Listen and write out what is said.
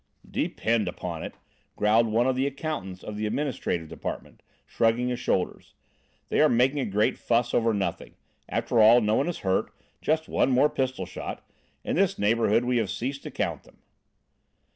"Depend upon it," growled one of the accountants of the administrative department, shrugging his shoulders, "they are making a great fuss over nothing. After all, no one is hurt. Just one more pistol shot; in this neighbourhood we have ceased to count them."